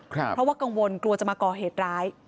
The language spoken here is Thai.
เพราะว่ากังวลกลัวจะมาก่อเหตุร้าย